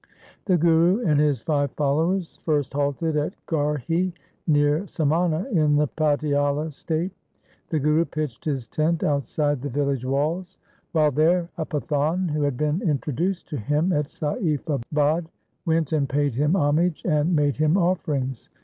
The Guru and his five followers first halted at Garhi near Samana, in the Patiala state. The Guru pitched his tent outside the village walls. While there a Pathan, who had been introduced to him at Saifabad, went and paid him homage, and made him offerings.